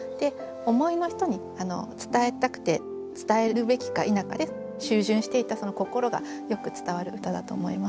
思いの人に伝えたくて伝えるべきか否かでしゅん巡していたその心がよく伝わる歌だと思います。